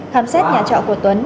khám xét nhà trọ của tuấn